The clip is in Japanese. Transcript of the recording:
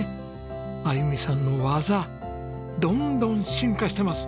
あゆみさんの技どんどん進化してます。